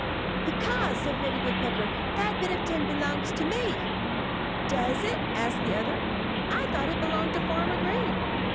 "Because," said Reddy Woodpecker, "that bit of tin belongs to me." "Does it?" asked the other. "I thought it belonged to Farmer Green."